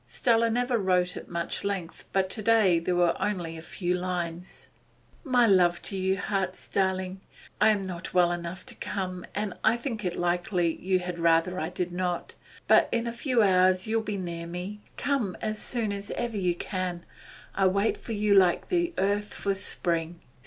Stella never wrote at much length, but to day there were only a few lines. 'My love to you, heart's darling. I am not well enough to come, and I think it likely you had rather I did not. But in a few hours you will be near me. Come as soon as ever you can. I wait for you like the earth for spring.